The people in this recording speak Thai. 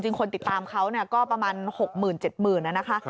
จริงคนติดตามเขาก็ประมาณ๖๗หมื่น